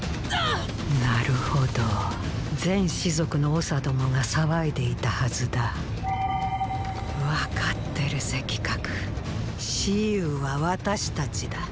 なるほど全氏族の長どもが騒いでいたはずだ分かってる赤鶴蚩尤は私たちだ。